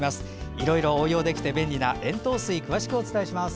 いろいろ応用できて便利な塩糖水詳しくお伝えします。